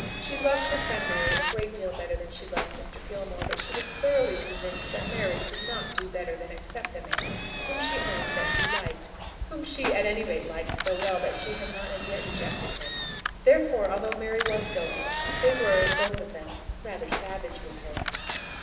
She loved her friend Mary a great deal better than she loved Mr. Gilmore, but she was thoroughly convinced that Mary could not do better than accept a man whom she owned that she liked, whom she, at any rate, liked so well that she had not as yet rejected him. Therefore, although Mary was going, they were, both of them, rather savage with her.